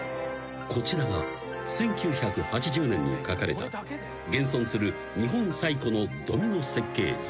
［こちらが１９８０年に描かれた現存する日本最古のドミノ設計図］